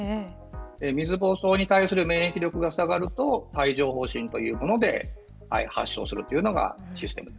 水疱瘡に対する免疫力が下がると帯状疱疹というもので発症するというのがシステムです。